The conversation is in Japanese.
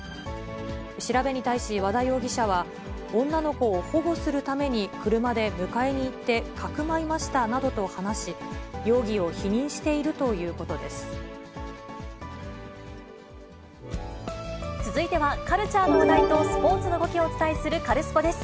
調べに対し、和田容疑者は、女の子を保護するために車で迎えに行って、かくまいましたなどと話し、容疑を否認しているということで続いては、カルチャーの話題とスポーツの動きをお伝えするカルスポっ！です。